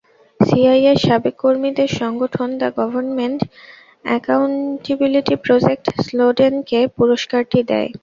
সিআইএর সাবেক কর্মীদের সংগঠন দ্য গভর্নমেন্ট অ্যাকাউন্টিবিলিটি প্রজেক্ট স্নোডেনকে পুরস্কারটি দেয়।